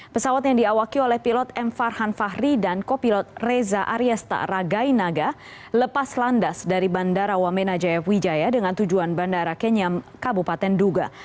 pesawat yang diawaki oleh pilot m farhan fahri dan kopilot reza aresta ragai naga lepas landas dari bandara wamena jaya wijaya dengan tujuan bandara kenyam kabupaten duga